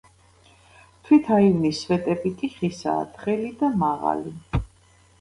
თვით აივნის სვეტები კი ხისაა, თხელი და მაღალი.